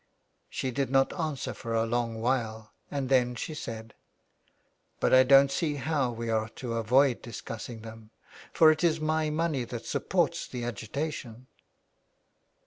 She did not answer for a long while and then she said :—'' But I don't see how we are to avoid discussing them, for it is my money that supports the agitation."